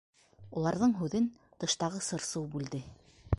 Уларҙың һүҙен тыштағы сыр-сыу бүлде.